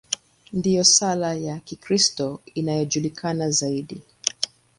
Ndiyo sala ya Kikristo inayojulikana zaidi.